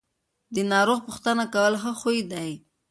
د ناروغ پوښتنه کول ښه خوی دی.